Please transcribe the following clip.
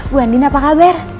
bu andien apa kabar